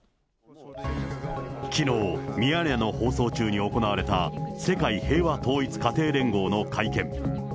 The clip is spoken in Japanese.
きのう、ミヤネ屋の放送中に行われた、世界平和統一家庭連合の会見。